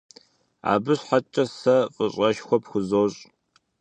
Абы щхьэкӏэ сэ фӏыщӏэшхуэ пхузощ.